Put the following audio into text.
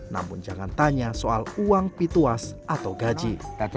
namun jangan tanya soal uang pituas atau gaji